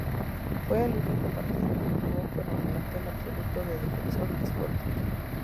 Fue el único partido que jugó con el plantel absoluto de Defensor Sporting.